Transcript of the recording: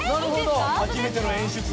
初めての演出を。